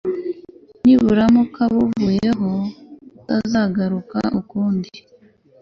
niburamuka buvuyeho butazagaruka ukundi